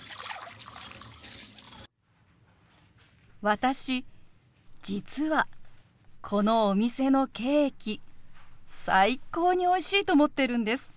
私実はこのお店のケーキ最高においしいと思ってるんです。